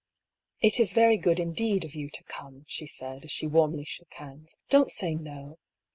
" It is very good, indeed, of you to come," she said, as she warmly shook hands. ^' Don't say, No